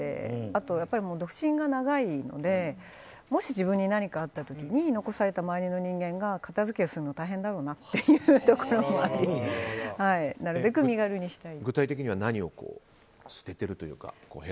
あと、独身が長いのでもし自分に何かあった時に残された周りの人間が片付けするの大変だろうなっていうところもあり具体的には何を捨てているんですか。